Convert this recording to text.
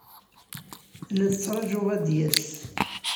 La t-ttṛajuɣ ad d-yas.